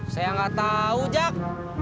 saya gak tahu jack